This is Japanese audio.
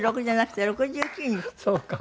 そうか。